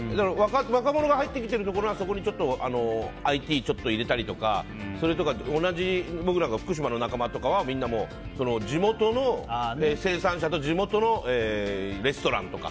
若者が入ってきているところはＩＴをちょっと入れたりとか同じ僕らが福島の仲間とかはみんな、地元の生産者と地元のレストランとか。